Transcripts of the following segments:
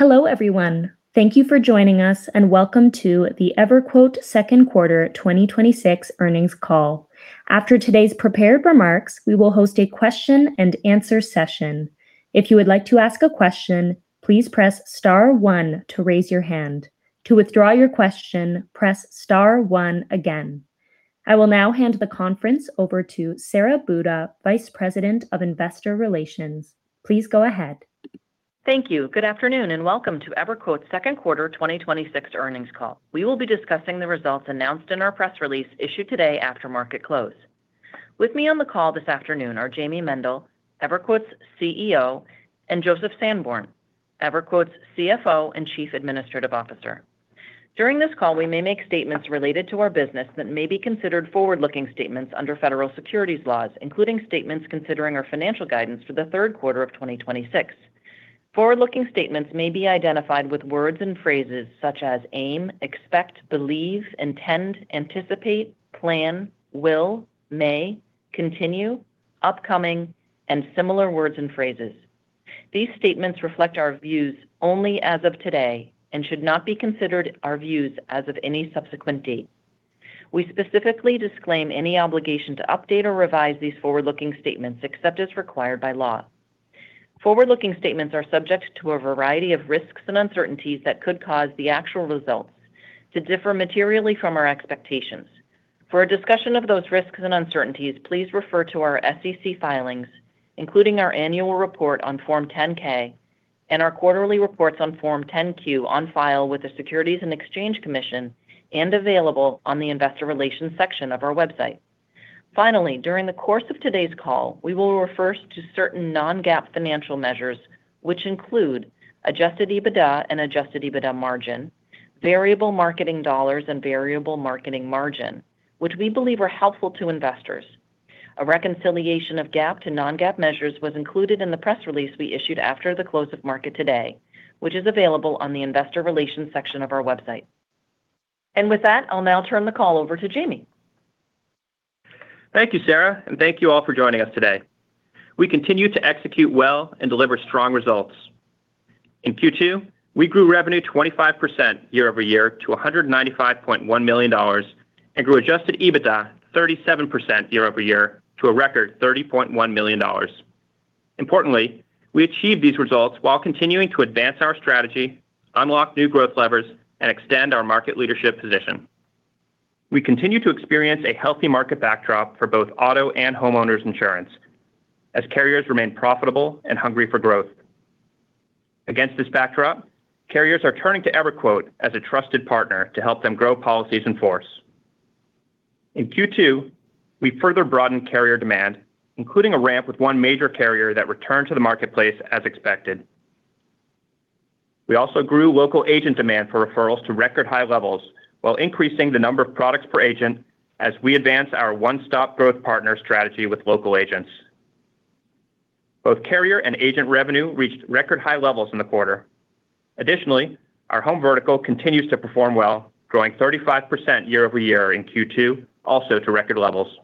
Hello, everyone. Thank you for joining us, welcome to the EverQuote second quarter 2026 earnings call. After today's prepared remarks, we will host a question-and-answer session. If you would like to ask a question, please press star one to raise your hand. To withdraw your question, press star one again. I will now hand the conference over to Sara Buda, Vice President of Investor Relations. Please go ahead. Thank you. Good afternoon, welcome to EverQuote's second quarter 2026 earnings call. We will be discussing the results announced in our press release issued today after market close. With me on the call this afternoon are Jayme Mendal, EverQuote's CEO, and Joseph Sanborn, EverQuote's CFO and Chief Administrative Officer. During this call, we may make statements related to our business that may be considered forward-looking statements under Federal securities laws, including statements concerning our financial guidance for the third quarter of 2026. Forward-looking statements may be identified with words and phrases such as aim, expect, believe, intend, anticipate, plan, will, may, continue, upcoming, and similar words and phrases. These statements reflect our views only as of today and should not be considered our views as of any subsequent date. We specifically disclaim any obligation to update or revise these forward-looking statements, except as required by law. Forward-looking statements are subject to a variety of risks and uncertainties that could cause the actual results to differ materially from our expectations. For a discussion of those risks and uncertainties, please refer to our SEC filings, including our annual report on Form 10-K and our quarterly reports on Form 10-Q on file with the Securities and Exchange Commission and available on the investor relations section of our website. Finally, during the course of today's call, we will refer to certain non-GAAP financial measures, which include adjusted EBITDA and adjusted EBITDA margin, variable marketing dollars and variable marketing margin, which we believe are helpful to investors. A reconciliation of GAAP to non-GAAP measures was included in the press release we issued after the close of market today, which is available on the investor relations section of our website. With that, I'll now turn the call over to Jayme. Thank you, Sara, thank you all for joining us today. We continue to execute well and deliver strong results. In Q2, we grew revenue 25% year-over-year to $195.1 million and grew adjusted EBITDA 37% year-over-year to a record $30.1 million. Importantly, we achieved these results while continuing to advance our strategy, unlock new growth levers, and extend our market leadership position. We continue to experience a healthy market backdrop for both auto and homeowners' insurance as carriers remain profitable and hungry for growth. Against this backdrop, carriers are turning to EverQuote as a trusted partner to help them grow policies in force. In Q2, we further broadened carrier demand, including a ramp with one major carrier that returned to the marketplace as expected. We also grew local agent demand for referrals to record high levels while increasing the number of products per agent as we advance our one-stop growth partner strategy with local agents. Both carrier and agent revenue reached record high levels in the quarter. Additionally, our home vertical continues to perform well, growing 35% year-over-year in Q2, also to record levels.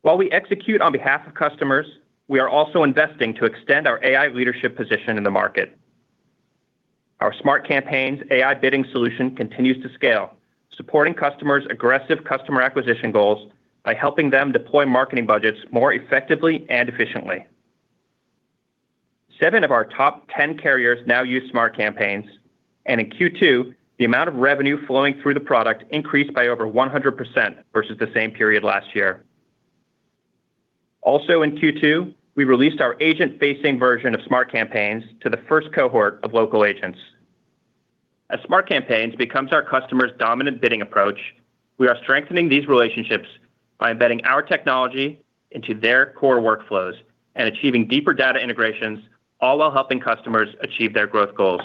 While we execute on behalf of customers, we are also investing to extend our AI leadership position in the market. Our Smart Campaigns AI bidding solution continues to scale, supporting customers' aggressive customer acquisition goals by helping them deploy marketing budgets more effectively and efficiently. Seven of our top 10 carriers now use Smart Campaigns, and in Q2, the amount of revenue flowing through the product increased by over 100% versus the same period last year. Also, in Q2, we released our agent-facing version of Smart Campaigns to the first cohort of local agents. As Smart Campaigns becomes our customers' dominant bidding approach, we are strengthening these relationships by embedding our technology into their core workflows and achieving deeper data integrations, all while helping customers achieve their growth goals.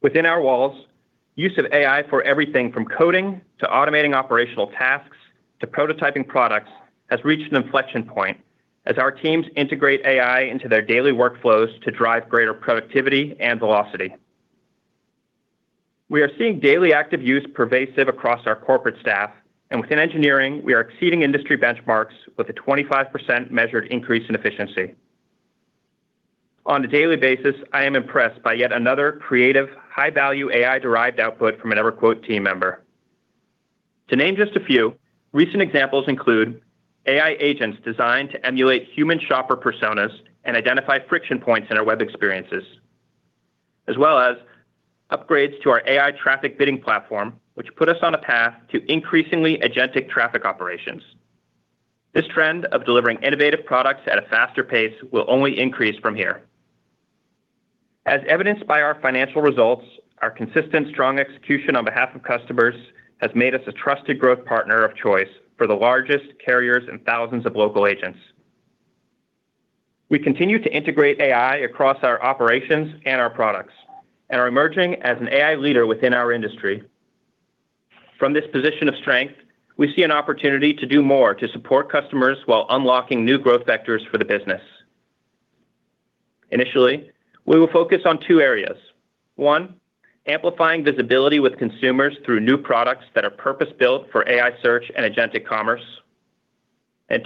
Within our walls, use of AI for everything from coding to automating operational tasks to prototyping products has reached an inflection point as our teams integrate AI into their daily workflows to drive greater productivity and velocity. We are seeing daily active use pervasive across our corporate staff, and within engineering, we are exceeding industry benchmarks with a 25% measured increase in efficiency. On a daily basis, I am impressed by yet another creative, high-value AI-derived output from an EverQuote team member. To name just a few, recent examples include AI agents designed to emulate human shopper personas and identify friction points in our web experiences, as well as upgrades to our AI traffic bidding platform, which put us on a path to increasingly agentic traffic operations. This trend of delivering innovative products at a faster pace will only increase from here. As evidenced by our financial results, our consistent strong execution on behalf of customers has made us a trusted growth partner of choice for the largest carriers and thousands of local agents. We continue to integrate AI across our operations and our products and are emerging as an AI leader within our industry. From this position of strength, we see an opportunity to do more to support customers while unlocking new growth vectors for the business. Initially, we will focus on two areas. One, amplifying visibility with consumers through new products that are purpose-built for AI search and agentic commerce.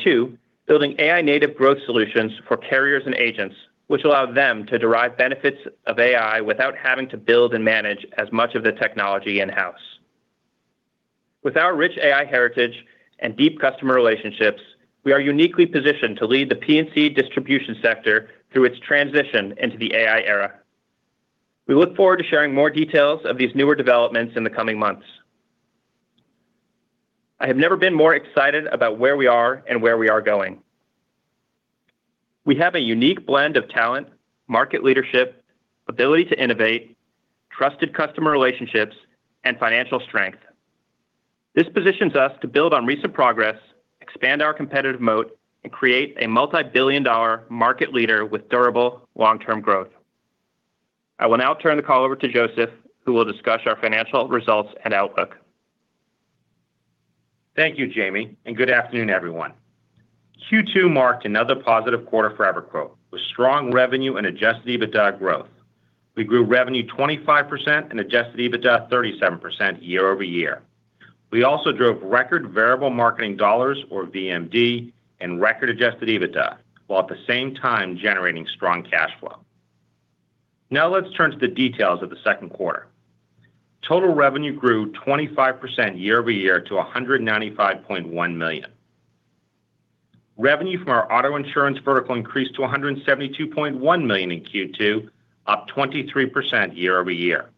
Two, building AI-native growth solutions for carriers and agents, which allow them to derive benefits of AI without having to build and manage as much of the technology in-house. With our rich AI heritage and deep customer relationships, we are uniquely positioned to lead the P&C distribution sector through its transition into the AI era. We look forward to sharing more details of these newer developments in the coming months. I have never been more excited about where we are and where we are going. We have a unique blend of talent, market leadership, ability to innovate, trusted customer relationships, and financial strength. This positions us to build on recent progress, expand our competitive moat, and create a multi-billion-dollar market leader with durable long-term growth. I will now turn the call over to Joseph, who will discuss our financial results and outlook. Thank you, Jayme, and good afternoon, everyone. Q2 marked another positive quarter for EverQuote, with strong revenue and adjusted EBITDA growth. We grew revenue 25% and adjusted EBITDA 37% year-over-year. We also drove record variable marketing dollars, or VMD, and record-adjusted EBITDA, while at the same time generating strong cash flow. Let's turn to the details of the second quarter. Total revenue grew 25% year-over-year to $195.1 million. Revenue from our auto insurance vertical increased to $172.1 million in Q2, up 23% year-over-year.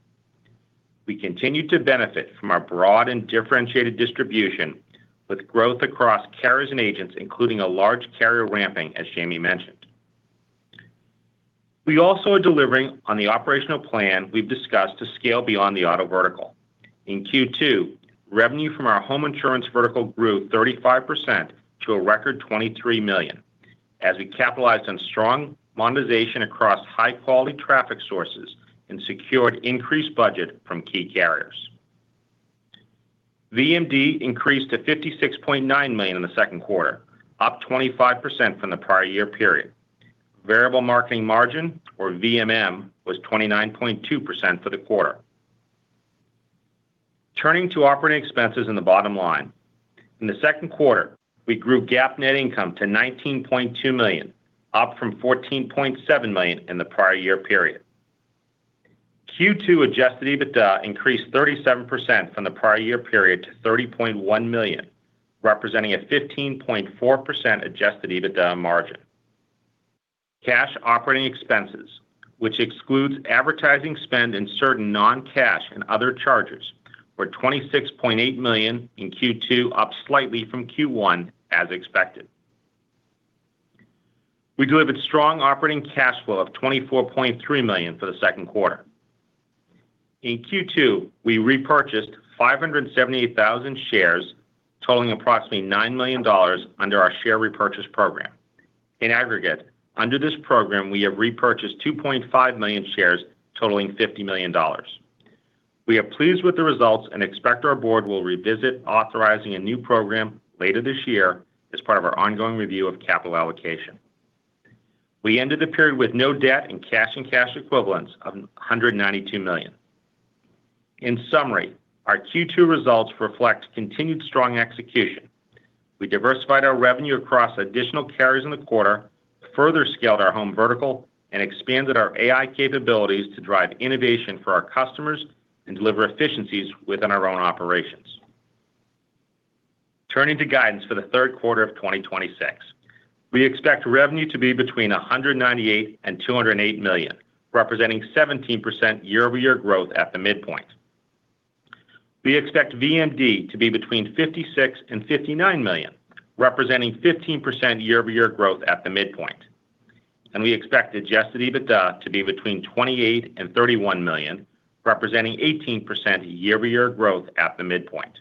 We continued to benefit from our broad and differentiated distribution, with growth across carriers and agents, including a large carrier ramping, as Jayme mentioned. We also are delivering on the operational plan we've discussed to scale beyond the auto vertical. In Q2, revenue from our home insurance vertical grew 35% to a record $23 million, as we capitalized on strong monetization across high-quality traffic sources and secured increased budget from key carriers. VMD increased to $56.9 million in the second quarter, up 25% from the prior-year period. Variable marketing margin, or VMM, was 29.2% for the quarter. Turning to operating expenses and the bottom line. In the second quarter, we grew GAAP net income to $19.2 million, up from $14.7 million in the prior-year period. Q2 adjusted EBITDA increased 37% from the prior-year period to $30.1 million, representing a 15.4% adjusted EBITDA margin. Cash operating expenses, which excludes advertising spend and certain non-cash and other charges, were $26.8 million in Q2, up slightly from Q1, as expected. We delivered strong operating cash flow of $24.3 million for the second quarter. In Q2, we repurchased 578,000 shares totaling approximately $9 million under our share repurchase program. In aggregate, under this program, we have repurchased 2.5 million shares totaling $50 million. We are pleased with the results and expect our board will revisit authorizing a new program later this year as part of our ongoing review of capital allocation. We ended the period with no debt and cash and cash equivalents of $192 million. In summary, our Q2 results reflect continued strong execution. We diversified our revenue across additional carriers in the quarter, further scaled our home vertical, and expanded our AI capabilities to drive innovation for our customers and deliver efficiencies within our own operations. Turning to guidance for the third quarter of 2026. We expect revenue to be between $198 million and $208 million, representing 17% year-over-year growth at the midpoint. We expect VMD to be between $56 million and $59 million, representing 15% year-over-year growth at the midpoint. We expect adjusted EBITDA to be between $28 million and $31 million, representing 18% year-over-year growth at the midpoint.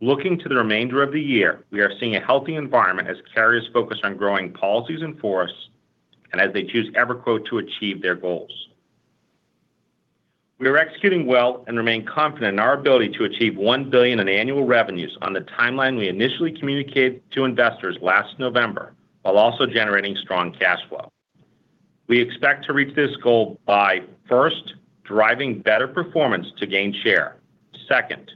Looking to the remainder of the year, we are seeing a healthy environment as carriers focus on growing policies in force as they choose EverQuote to achieve their goals. We are executing well and remain confident in our ability to achieve $1 billion in annual revenues on the timeline we initially communicated to investors last November, while also generating strong cash flow. We expect to reach this goal by, first, driving better performance to gain share. Second,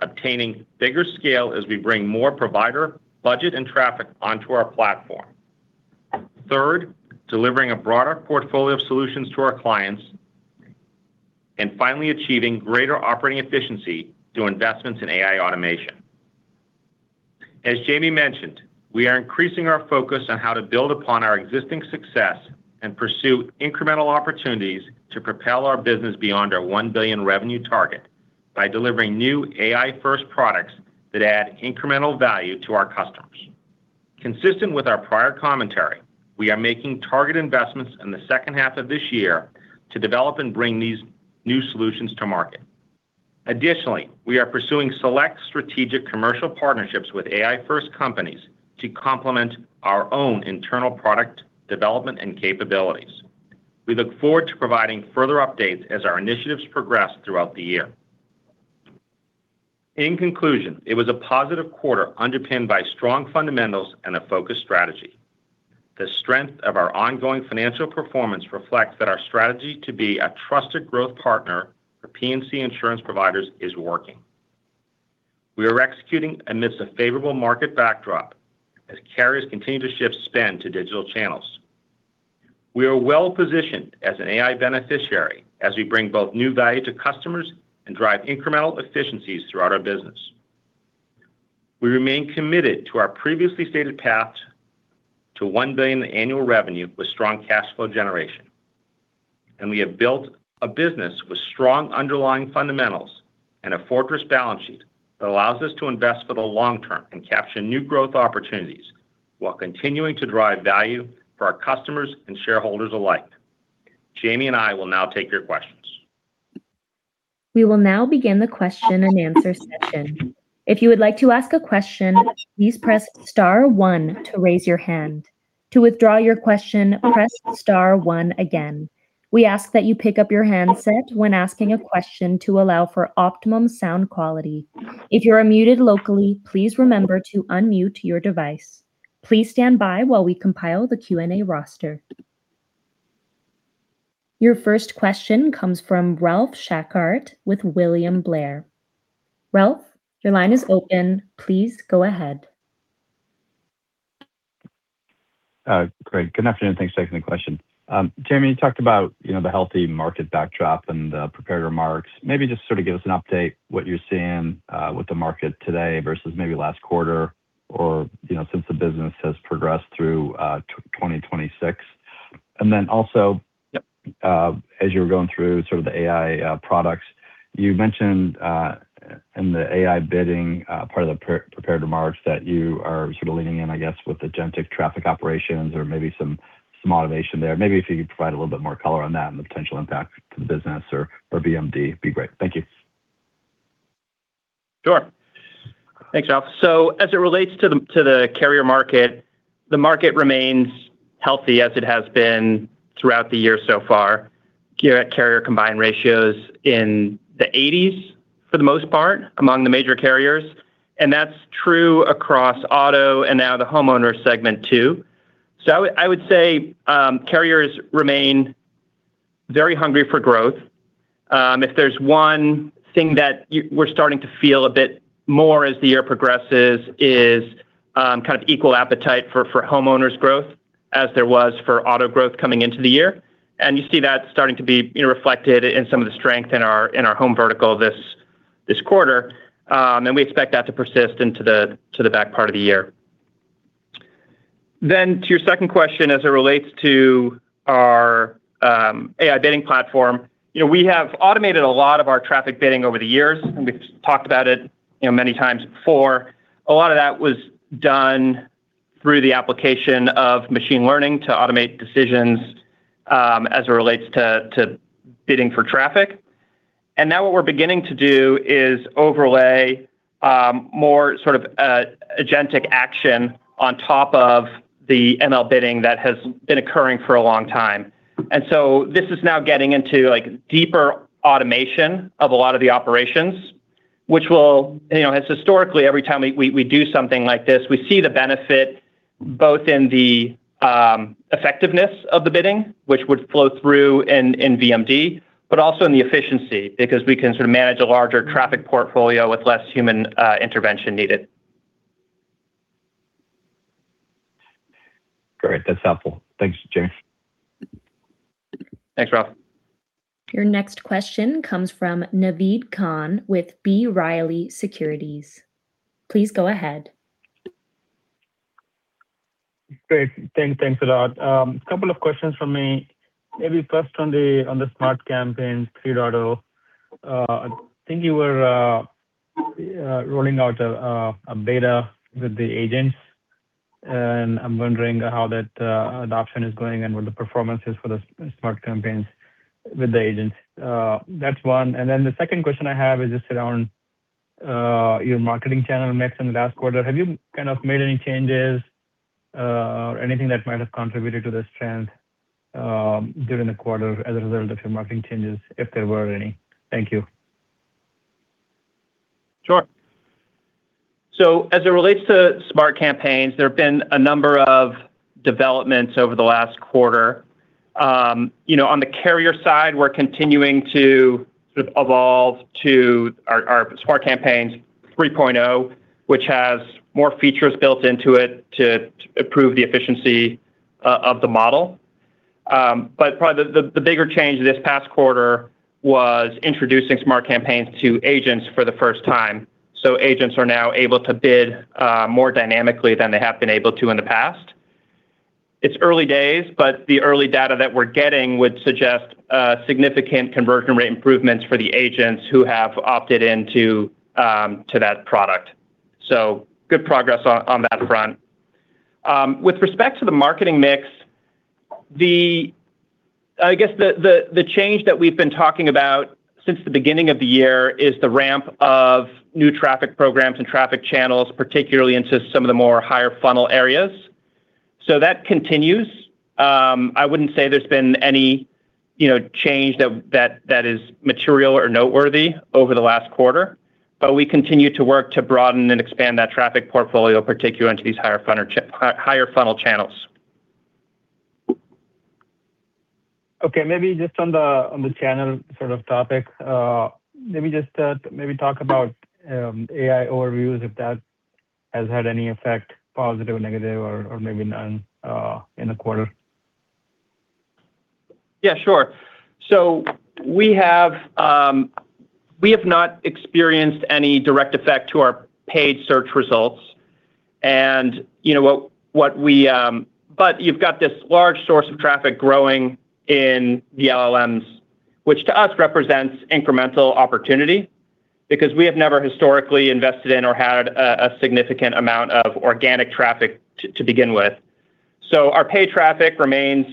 obtaining bigger scale as we bring more provider, budget, and traffic onto our platform. Third, delivering a broader portfolio of solutions to our clients. Finally, achieving greater operating efficiency through investments in AI automation. As Jayme mentioned, we are increasing our focus on how to build upon our existing success and pursue incremental opportunities to propel our business beyond our $1 billion revenue target by delivering new AI-first products that add incremental value to our customers. Consistent with our prior commentary, we are making target investments in the second half of this year to develop and bring these new solutions to market. Additionally, we are pursuing select strategic commercial partnerships with AI-first companies to complement our own internal product development and capabilities. We look forward to providing further updates as our initiatives progress throughout the year. In conclusion, it was a positive quarter underpinned by strong fundamentals and a focused strategy. The strength of our ongoing financial performance reflects that our strategy to be a trusted growth partner for P&C insurance providers is working. We are executing amidst a favorable market backdrop as carriers continue to shift spend to digital channels. We are well-positioned as an AI beneficiary as we bring both new value to customers and drive incremental efficiencies throughout our business. We remain committed to our previously stated path to $1 billion annual revenue with strong cash flow generation. We have built a business with strong underlying fundamentals and a fortress balance sheet that allows us to invest for the long term and capture new growth opportunities while continuing to drive value for our customers and shareholders alike. Jayme and I will now take your questions. We will now begin the question-and-answer session. If you would like to ask a question, please press star one to raise your hand. To withdraw your question, press star one again. We ask that you pick up your handset when asking a question to allow for optimum sound quality. If you are muted locally, please remember to unmute your device. Please stand by while we compile the Q&A roster. Your first question comes from Ralph Schackart with William Blair. Ralph, your line is open. Please go ahead. Great. Good afternoon. Thanks for taking the question. Jayme, you talked about the healthy market backdrop in the prepared remarks. Maybe just sort of give us an update what you're seeing with the market today versus maybe last quarter or since the business has progressed through 2026. Yep. As you were going through sort of the AI products, you mentioned in the AI bidding part of the prepared remarks that you are sort of leaning in, I guess, with agentic traffic operations or maybe some automation there. Maybe if you could provide a little bit more color on that and the potential impact to the business or VMD, it'd be great? Thank you. Sure. Thanks, Ralph. As it relates to the carrier market, the market remains healthy as it has been throughout the year so far. Carrier combined ratio is in the 80s for the most part among the major carriers, that's true across auto and now the homeowner segment too. I would say carriers remain very hungry for growth. If there's one thing that we're starting to feel a bit more as the year progresses is kind of equal appetite for homeowners growth as there was for auto growth coming into the year, you see that starting to be reflected in some of the strength in our home vertical this quarter. We expect that to persist into the back part of the year. To your second question as it relates to our AI bidding platform, we have automated a lot of our traffic bidding over the years, we've talked about it many times before. A lot of that was done through the application of machine learning to automate decisions as it relates to bidding for traffic. Now what we're beginning to do is overlay more sort of agentic action on top of the ML bidding that has been occurring for a long time. This is now getting into deeper automation of a lot of the operations. Historically, every time we do something like this, we see the benefit both in the effectiveness of the bidding, which would flow through in VMD, also in the efficiency because we can sort of manage a larger traffic portfolio with less human intervention needed. Great. That's helpful. Thanks, Jayme. Thanks, Ralph. Your next question comes from Naved Khan with B. Riley Securities. Please go ahead. Great. Thanks a lot. Couple of questions from me. Maybe first on the Smart Campaigns 3.0. I think you were rolling out a beta with the agents, and I'm wondering how that adoption is going and what the performance is for the Smart Campaigns with the agents. That's one. The second question I have is just around your marketing channel mix in the last quarter. Have you kind of made any changes or anything that might have contributed to this trend during the quarter as a result of your marketing changes if there were any? Thank you. Sure. As it relates to Smart Campaigns, there have been a number of developments over the last quarter. On the carrier side, we're continuing to sort of evolve to our Smart Campaigns 3.0, which has more features built into it to improve the efficiency of the model. Probably the bigger change this past quarter was introducing Smart Campaigns to agents for the first time. Agents are now able to bid more dynamically than they have been able to in the past. It's early days, but the early data that we're getting would suggest significant conversion rate improvements for the agents who have opted into that product. Good progress on that front. With respect to the marketing mix, I guess the change that we've been talking about since the beginning of the year is the ramp of new traffic programs and traffic channels, particularly into some of the more higher funnel areas. That continues. I wouldn't say there's been any change that is material or noteworthy over the last quarter. We continue to work to broaden and expand that traffic portfolio, particularly into these higher funnel channels. Okay. Maybe just on the channel sort of topic, let me just maybe talk about AI overviews, if that has had any effect, positive or negative, or maybe none in the quarter? Yeah, sure. We have not experienced any direct effect to our paid search results. You've got this large source of traffic growing in the LLMs, which to us represents incremental opportunity because we have never historically invested in or had a significant amount of organic traffic to begin with. Our paid traffic remains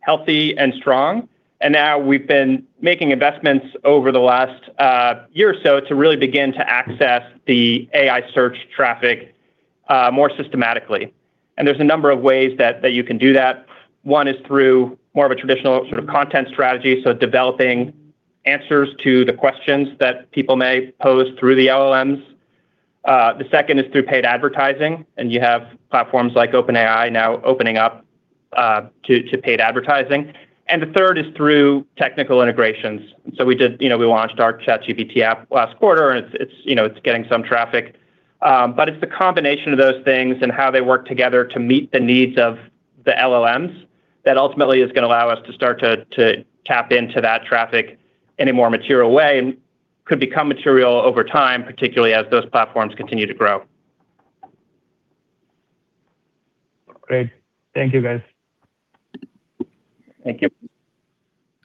healthy and strong. Now we've been making investments over the last year or so to really begin to access the AI search traffic more systematically. There's a number of ways that you can do that. One is through more of a traditional sort of content strategy, so developing answers to the questions that people may pose through the LLMs. The second is through paid advertising, and you have platforms like OpenAI now opening up to paid advertising. The third is through technical integrations. We launched our ChatGPT app last quarter, and it's getting some traffic. It's the combination of those things and how they work together to meet the needs of the LLMs that ultimately is going to allow us to start to tap into that traffic in a more material way and could become material over time, particularly as those platforms continue to grow. Great. Thank you, guys. Thank you.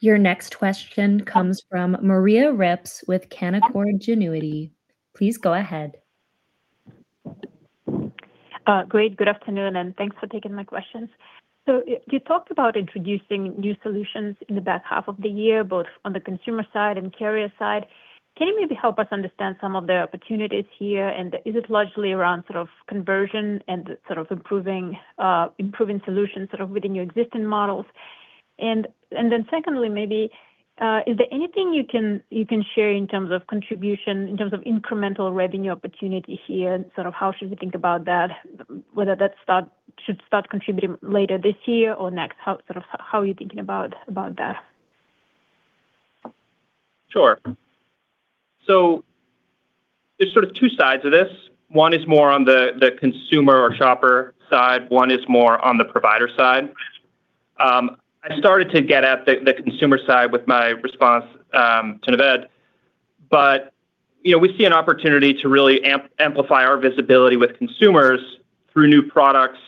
Your next question comes from Maria Ripps with Canaccord Genuity. Please go ahead. Great. Good afternoon and thanks for taking my questions. You talked about introducing new solutions in the back half of the year, both on the consumer side and carrier side. Can you maybe help us understand some of the opportunities here, and is it largely around sort of conversion and sort of improving solutions sort of within your existing models? Secondly, maybe, is there anything you can share in terms of contribution, in terms of incremental revenue opportunity here, sort of how should we think about that, whether that should start contributing later this year or next? How are you thinking about that? Sure. There's sort of two sides of this. One is more on the consumer or shopper side, one is more on the provider side. I started to get at the consumer side with my response to Naved. We see an opportunity to really amplify our visibility with consumers through new products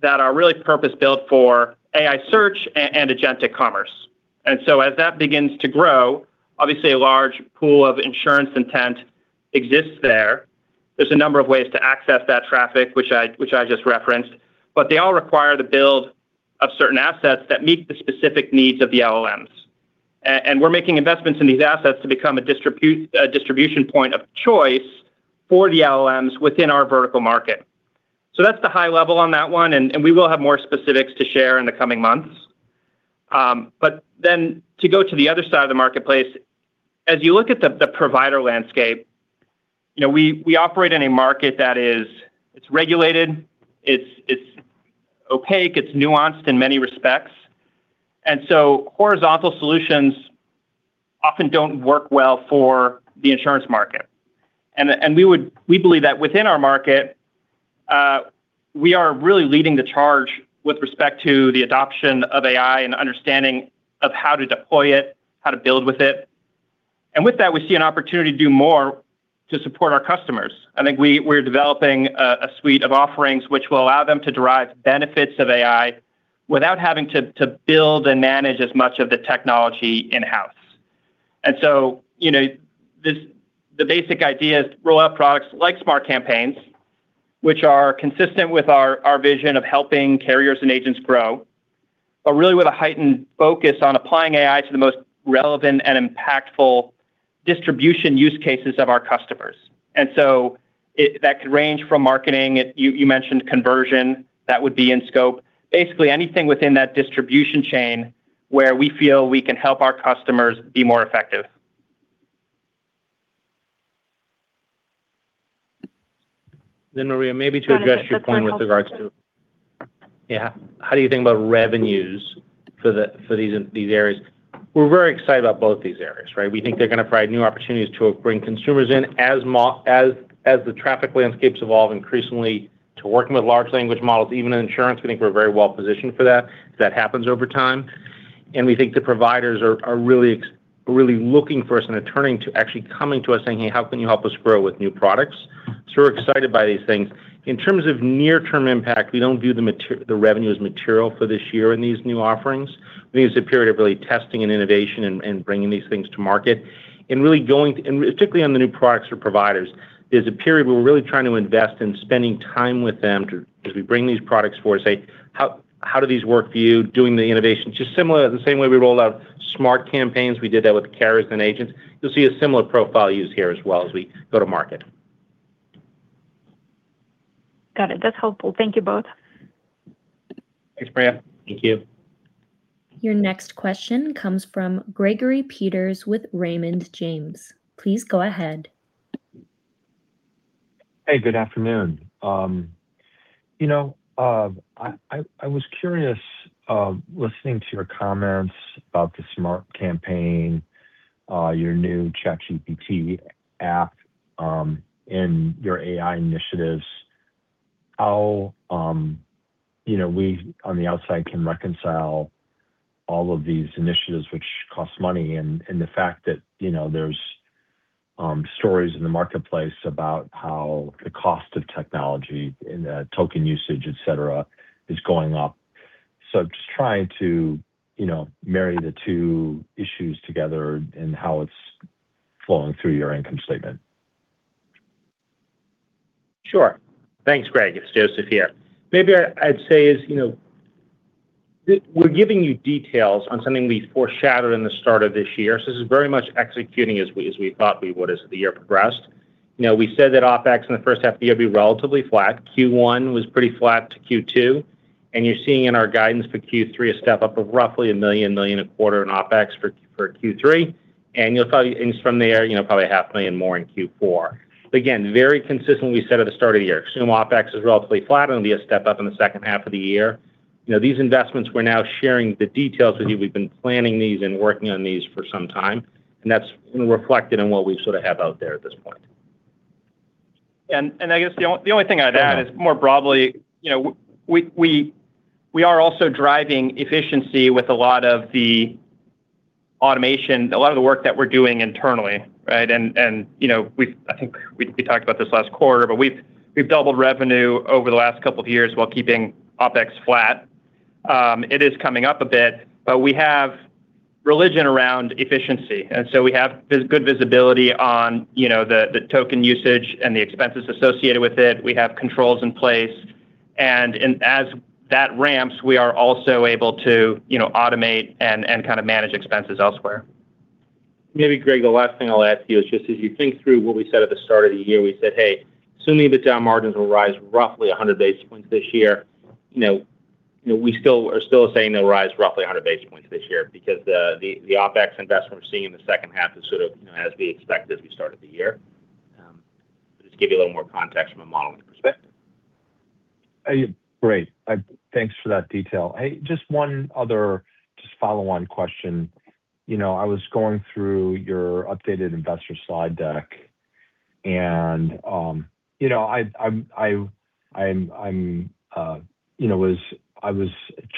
that are really purpose-built for AI search and agentic commerce. As that begins to grow, obviously a large pool of insurance intent exists there. There's a number of ways to access that traffic, which I just referenced, but they all require the build of certain assets that meet the specific needs of the LLMs. We're making investments in these assets to become a distribution point of choice for the LLMs within our vertical market. That's the high level on that one, and we will have more specifics to share in the coming months. To go to the other side of the marketplace, as you look at the provider landscape, we operate in a market that is regulated, it's opaque, it's nuanced in many respects. Horizontal solutions often don't work well for the insurance market. We believe that within our market, we are really leading the charge with respect to the adoption of AI and understanding of how to deploy it, how to build with it. With that, we see an opportunity to do more to support our customers. I think we're developing a suite of offerings which will allow them to derive benefits of AI without having to build and manage as much of the technology in-house. The basic idea is to roll out products like Smart Campaigns, which are consistent with our vision of helping carriers and agents grow, but really with a heightened focus on applying AI to the most relevant and impactful distribution use cases of our customers. That could range from marketing. You mentioned conversion. That would be in scope. Basically, anything within that distribution chain where we feel we can help our customers be more effective. Maria, maybe to address your point with regards to how do you think about revenues for these areas? We're very excited about both these areas, right? We think they're going to provide new opportunities to bring consumers in as the traffic landscapes evolve increasingly to working with large language models. Even in insurance, we think we're very well positioned for that. That happens over time. We think the providers are really looking for us and are turning to actually coming to us saying, "Hey, how can you help us grow with new products?" We're excited by these things. In terms of near-term impact, we don't view the revenue as material for this year in these new offerings. We think it's a period of really testing and innovation and bringing these things to market. Particularly on the new products for providers, there's a period where we're really trying to invest in spending time with them as we bring these products forward and say, "How do these work for you?" Doing the innovation, just the same way we rolled out Smart Campaigns. We did that with carriers and agents. You'll see a similar profile used here as well as we go to market. Got it. That's helpful. Thank you both. Thanks, Maria. Thank you. Your next question comes from Gregory Peters with Raymond James. Please go ahead. Hey, good afternoon. I was curious, listening to your comments about the Smart Campaign, your new ChatGPT app, and your AI initiatives, how we on the outside can reconcile all of these initiatives which cost money, and the fact that there's stories in the marketplace about how the cost of technology and token usage, et cetera, is going up. Just trying to marry the two issues together in how it's flowing through your income statement? Sure. Thanks, Greg. It's Joseph here. Maybe I'd say is, we're giving you details on something we foreshadowed in the start of this year. This is very much executing as we thought we would as the year progressed. We said that OpEx in the first half of the year would be relatively flat. Q1 was pretty flat to Q2, and you're seeing in our guidance for Q3 a step-up of roughly $1 million a quarter in OpEx for Q3. You'll probably inch from there, probably $500,000 more in Q4. Again, very consistent with what we said at the start of the year. Assume OpEx is relatively flat and it'll be a step-up in the second half of the year. These investments we're now sharing the details with you, we've been planning these and working on these for some time, and that's reflected in what we have out there at this point. I guess the only thing I'd add is more broadly, we are also driving efficiency with a lot of the automation, a lot of the work that we're doing internally. Right? I think we talked about this last quarter, but we've doubled revenue over the last couple of years while keeping OpEx flat. It is coming up a bit, but we have religion around efficiency, so we have good visibility on the token usage and the expenses associated with it. We have controls in place, as that ramps, we are also able to automate and manage expenses elsewhere. Maybe, Greg, the last thing I'll add to you is just as you think through what we said at the start of the year, we said, "Hey, assuming EBITDA margins will rise roughly 100 basis points this year," we are still saying they'll rise roughly 100 basis points this year because the OpEx investment we're seeing in the second half is as we expected as we started the year. Just to give you a little more context from a modeling perspective. Great. Thanks for that detail. Just one other follow-on question. I was going through your updated investor slide deck, and I was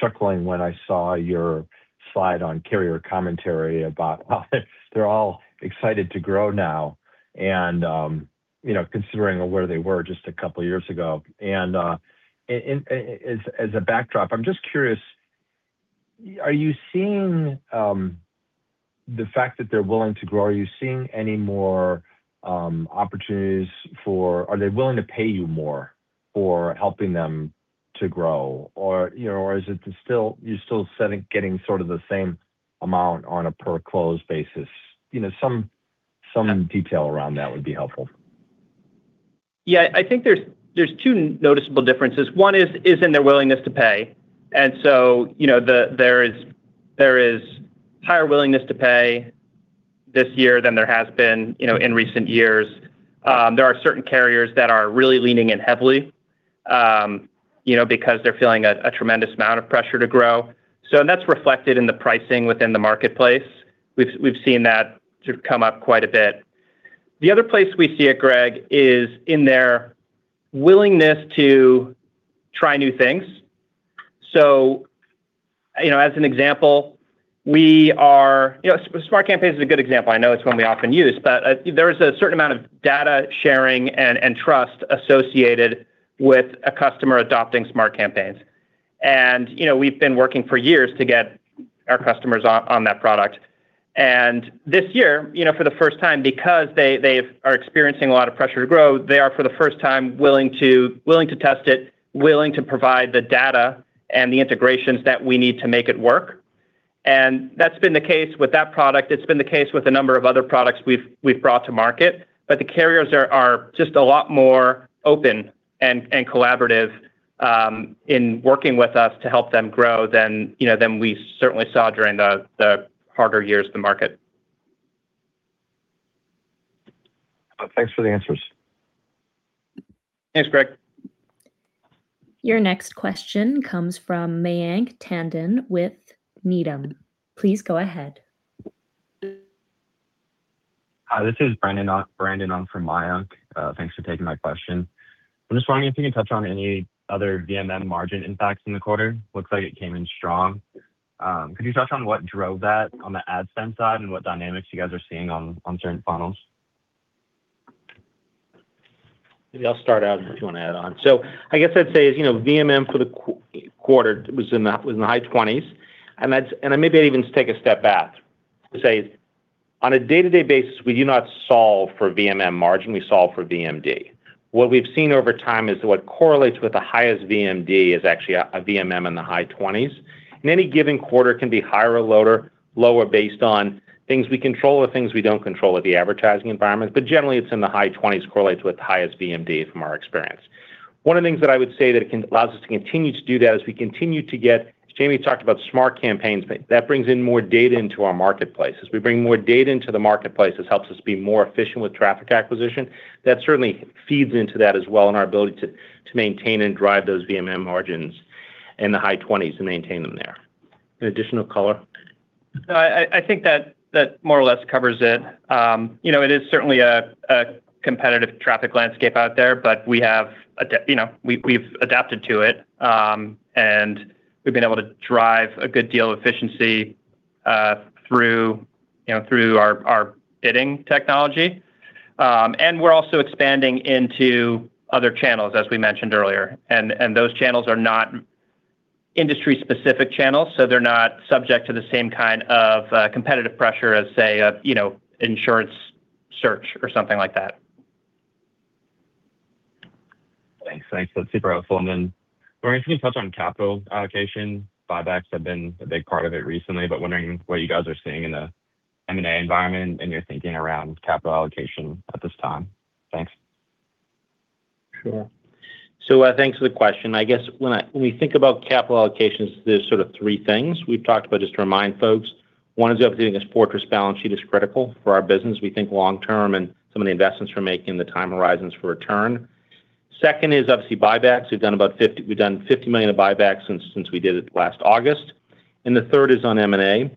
chuckling when I saw your slide on carrier commentary about how they're all excited to grow now and considering where they were just a couple of years ago. As a backdrop, I'm just curious, are you seeing the fact that they're willing to grow? Are they willing to pay you more for helping them to grow? Or are you still getting the same amount on a per closed basis? Some detail around that would be helpful. I think there's two noticeable differences. One is in their willingness to pay; there is higher willingness to pay this year than there has been in recent years. There are certain carriers that are really leaning in heavily, because they're feeling a tremendous amount of pressure to grow. That's reflected in the pricing within the marketplace. We've seen that come up quite a bit. The other place we see it, Greg, is in their willingness to try new things. As an example, Smart Campaign is a good example. I know it's one we often use, but there is a certain amount of data sharing and trust associated with a customer adopting Smart Campaigns. We've been working for years to get our customers on that product. This year, for the first time, because they are experiencing a lot of pressure to grow, they are for the first time willing to test it, willing to provide the data and the integrations that we need to make it work. That's been the case with that product. It's been the case with a number of other products we've brought to market. The carriers are just a lot more open and collaborative in working with us to help them grow than we certainly saw during the harder years of the market. Thanks for the answers. Thanks, Greg. Your next question comes from Mayank Tandon with Needham. Please go ahead. Hi, this is Brandon on for Mayank. Thanks for taking my question. I'm just wondering if you can touch on any other VMM margin impacts in the quarter. Looks like it came in strong. Could you touch on what drove that on the Ad Spend side and what dynamics you guys are seeing on certain funnels? I guess I'd say VMM for the quarter was in the high 20s, and maybe I'd even take a step back to say, on a day-to-day basis, we do not solve for VMM margin, we solve for VMD. What we've seen over time is what correlates with the highest VMD is actually a VMM in the high 20s. Any given quarter can be higher or lower based on things we control or things we don't control with the advertising environment. Generally, it's in the high 20s correlates with the highest VMD from our experience. One of the things that I would say that allows us to continue to do that, as we continue to get, as Jayme talked about, Smart Campaigns, that brings in more data into our marketplace. As we bring more data into the marketplace, this helps us be more efficient with traffic acquisition. That certainly feeds into that as well in our ability to maintain and drive those VMM margins in the high 20s and maintain them there. Any additional color? I think that more or less covers it. It is certainly a competitive traffic landscape out there, but we've adapted to it. We've been able to drive a good deal of efficiency through our bidding technology. We're also expanding into other channels, as we mentioned earlier. Those channels are not industry-specific channels, so they're not subject to the same kind of competitive pressure as, say, insurance search or something like that. Thanks. That's super helpful. I'm wondering if you can touch on capital allocation. Buybacks have been a big part of it recently, but wondering what you guys are seeing in the M&A environment and your thinking around capital allocation at this time? Thanks. Sure. Thanks for the question. I guess when we think about capital allocations, there's sort of three things we've talked about, just to remind folks. One is obviously thinking this fortress balance sheet is critical for our business. We think long-term, and some of the investments we're making, the time horizons for return. Second is obviously buybacks. We've done $50 million of buybacks since we did it last August. The third is on M&A.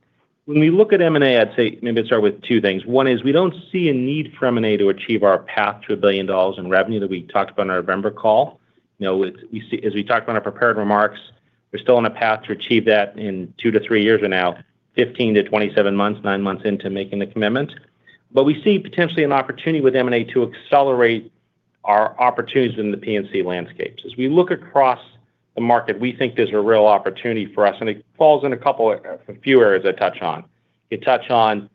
When we look at M&A, I'd say maybe I'd start with two things. One is we don't see a need for M&A to achieve our path to a billion dollars in revenue that we talked about on our November call. As we talked about in our prepared remarks, we're still on a path to achieve that in two to three years from now, 15-27 months, nine months into making the commitment. We see potentially an opportunity with M&A to accelerate our opportunities in the P&C landscapes. As we look across the market, we think there's a real opportunity for us, and it falls in a few areas I touch on.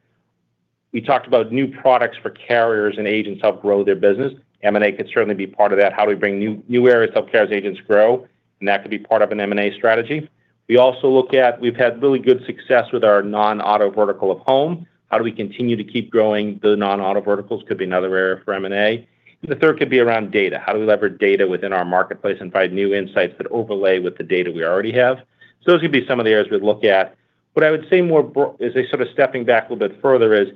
We talked about new products for carriers and agents to help grow their business. M&A could certainly be part of that. How do we bring new areas to help carriers and agents grow? That could be part of an M&A strategy. We also look at, we've had really good success with our non-auto vertical of home. How do we continue to keep growing the non-auto verticals could be another area for M&A. The third could be around data. How do we leverage data within our marketplace and find new insights that overlay with the data we already have? Those could be some of the areas we'd look at. What I would say more broad, as a sort of stepping back a little bit further is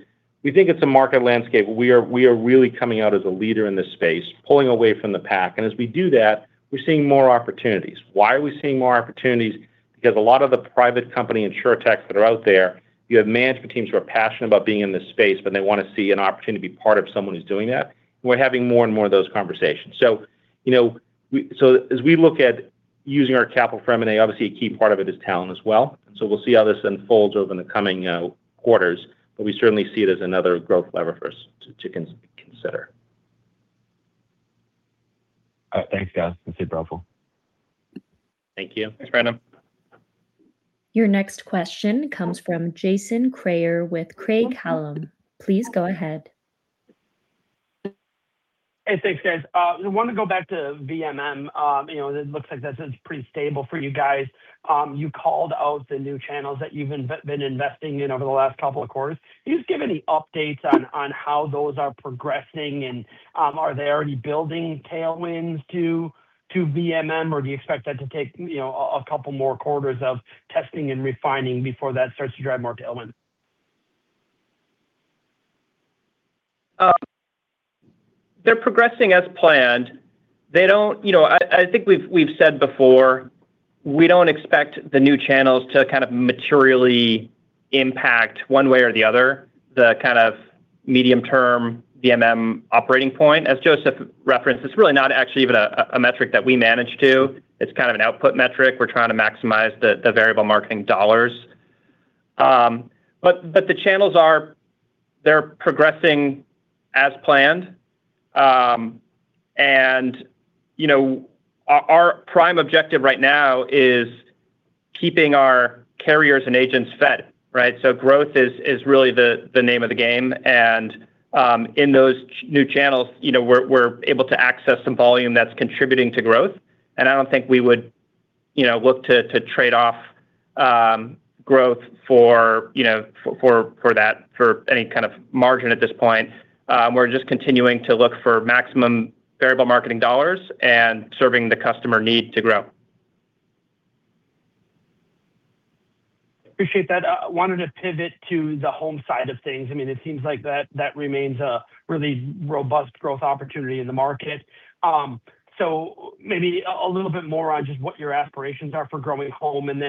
we think it's a market landscape where we are really coming out as a leader in this space, pulling away from the pack. As we do that, we're seeing more opportunities. Why are we seeing more opportunities? Because a lot of the private company insurtechs that are out there, you have management teams who are passionate about being in this space, but they want to see an opportunity to be part of someone who's doing that. We're having more and more of those conversations. As we look at using our capital for M&A, obviously a key part of it is talent as well. We'll see how this unfolds over the coming quarters, but we certainly see it as another growth lever for us to consider. All right. Thanks, guys. That's super helpful. Thank you. Thanks, Brandon. Your next question comes from Jason Kreyer with Craig-Hallum. Please go ahead. Hey, thanks, guys. I want to go back to VMM. It looks like that's pretty stable for you guys. You called out the new channels that you've been investing in over the last couple of quarters. Can you just give any updates on how those are progressing, and are they already building tailwinds to VMM, or do you expect that to take a couple more quarters of testing and refining before that starts to drive more tailwinds? They're progressing as planned. I think we've said before, we don't expect the new channels to kind of materially impact one way or the other, the kind of medium term VMM operating point. As Joseph referenced, it's really not actually even a metric that we manage to. It's kind of an output metric. We're trying to maximize the variable marketing dollars. The channels are progressing as planned. Our prime objective right now is keeping our carriers and agents fed, right? Growth is really the name of the game. In those new channels, we're able to access some volume that's contributing to growth. I don't think we would look to trade off growth for any kind of margin at this point. We're just continuing to look for maximum variable marketing dollars and serving the customer need to grow. Appreciate that. I wanted to pivot to the home side of things. It seems like that remains a really robust growth opportunity in the market. Maybe a little bit more on just what your aspirations are for growing home, and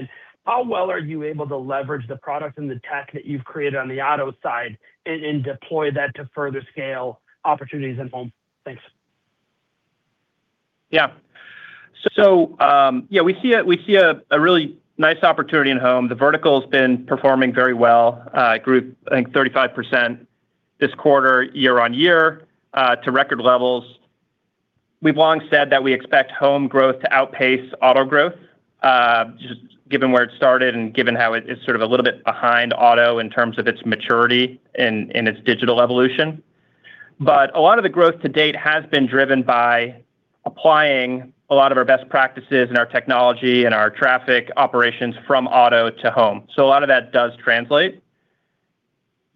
how well are you able to leverage the product and the tech that you've created on the auto side and deploy that to further scale opportunities in home? Thanks. Yeah. We see a really nice opportunity in home. The vertical's been performing very well. It grew, I think, 35% this quarter, year-on-year, to record levels. We've long said that we expect home growth to outpace auto growth, just given where it started and given how it's sort of a little bit behind auto in terms of its maturity in its digital evolution. A lot of the growth to date has been driven by applying a lot of our best practices and our technology and our traffic operations from auto to home. A lot of that does translate.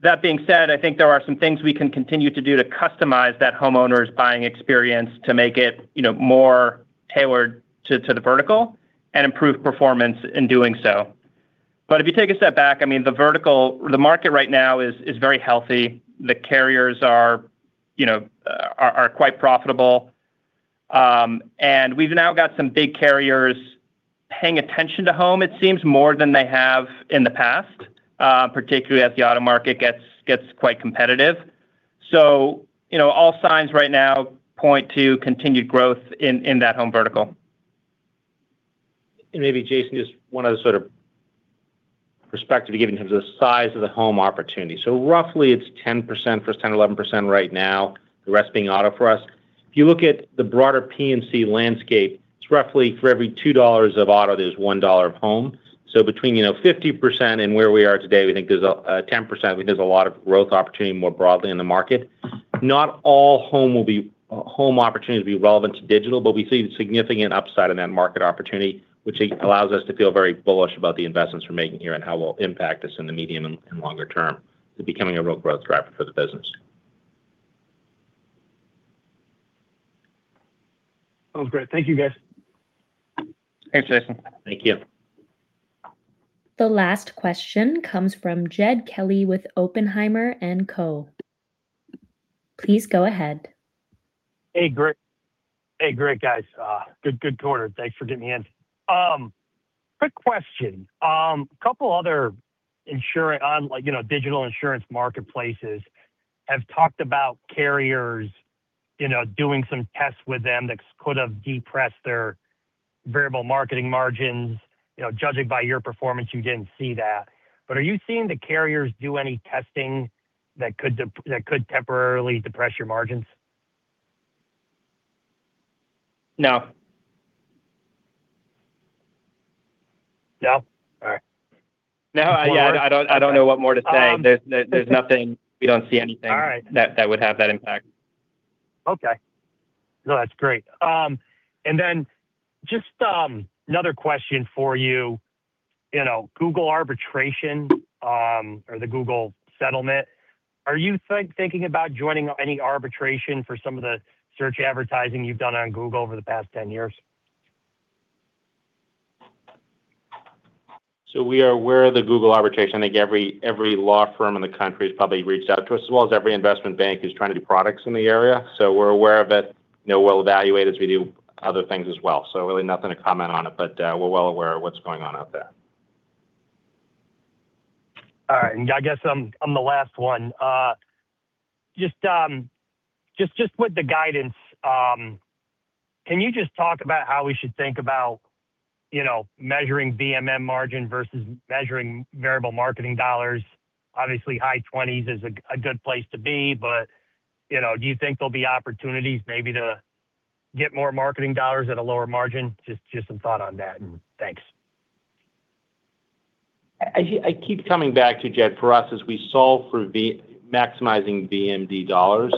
That being said, I think there are some things we can continue to do to customize that homeowner's buying experience to make it more tailored to the vertical and improve performance in doing so. If you take a step back, the market right now is very healthy. The carriers are quite profitable. We've now got some big carriers paying attention to home, it seems, more than they have in the past, particularly as the auto market gets quite competitive. All signs right now point to continued growth in that home vertical. Maybe, Jason, just one other sort of perspective to give in terms of the size of the home opportunity. Roughly it's 10%, perhaps 10%-11% right now, the rest being auto for us. If you look at the broader P&C landscape, it's roughly for every $2 of auto, there's $1 of home. Between 50% and where we are today, we think there's 10%, we think there's a lot of growth opportunity more broadly in the market. Not all home opportunities will be relevant to digital, but we see significant upside in that market opportunity, which allows us to feel very bullish about the investments we're making here and how it will impact us in the medium and longer term to becoming a real growth driver for the business. Sounds great. Thank you, guys. Thanks, Jason. Thank you. The last question comes from Jed Kelly with Oppenheimer and Co. Please go ahead. Hey, great, guys. Good quarter. Thanks for getting me in. Quick question. A couple other digital insurance marketplaces have talked about carriers doing some tests with them that could have depressed their variable marketing margins. Judging by your performance, you didn't see that. Are you seeing the carriers do any testing that could temporarily depress your margins? No. No? All right. No. I don't know what more to say. There's nothing. We don't see anything- All right. That would have that impact. Okay. No, that's great. Just another question for you. Google arbitration or the Google settlement, are you thinking about joining any arbitration for some of the search advertising you've done on Google over the past 10 years? We are aware of the Google arbitration. I think every law firm in the country has probably reached out to us, as well as every investment bank who's trying to do products in the area. We're aware of it. We'll evaluate as we do other things as well. Really nothing to comment on it, but we're well aware of what's going on out there. All right. I guess I'm the last one. Just with the guidance, can you just talk about how we should think about measuring VMM margin versus measuring variable marketing dollars? Obviously, high twenties is a good place to be, do you think there'll be opportunities maybe to get more marketing dollars at a lower margin? Just some thought on that, and thanks. I keep coming back to, Jed, for us as we solve for maximizing VMD dollars.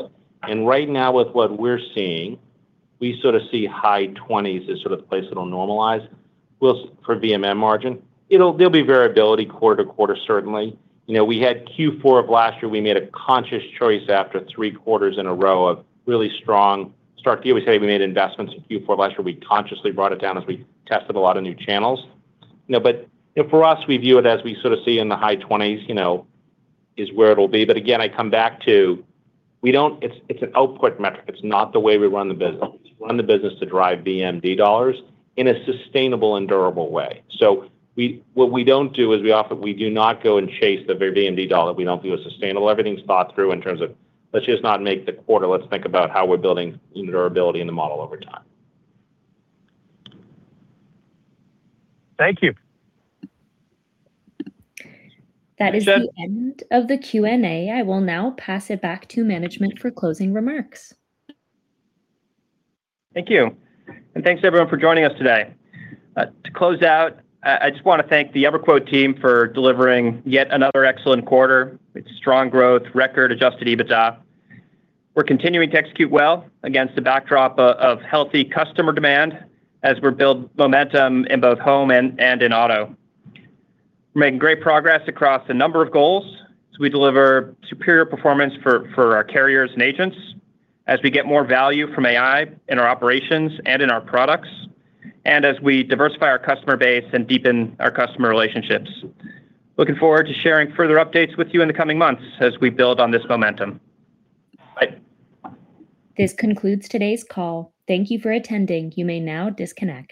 Right now, with what we're seeing, we sort of see high twenties as sort of the place it'll normalize for VMM margin. There'll be variability quarter-to-quarter certainly. We had Q4 of last year, we made a conscious choice after three quarters in a row of really strong start. We made investments in Q4 of last year. We consciously brought it down as we tested a lot of new channels. For us, we view it as we sort of see in the high twenties, is where it'll be. Again, I come back to, it's an output metric. It's not the way we run the business. We run the business to drive VMD dollars in a sustainable and durable way. What we don't do is we do not go and chase the VMD dollar we don't feel is sustainable. Everything's thought through in terms of let's just not make the quarter. Let's think about how we're building durability in the model over time. Thank you. That is the end of the Q&A. I will now pass it back to management for closing remarks. Thank you. Thanks everyone for joining us today. To close out, I just want to thank the EverQuote team for delivering yet another excellent quarter with strong growth, record adjusted EBITDA. We're continuing to execute well against the backdrop of healthy customer demand as we build momentum in both home and in auto. We're making great progress across a number of goals as we deliver superior performance for our carriers and agents, as we get more value from AI in our operations and in our products, and as we diversify our customer base and deepen our customer relationships. Looking forward to sharing further updates with you in the coming months as we build on this momentum. Bye. This concludes today's call. Thank you for attending. You may now disconnect.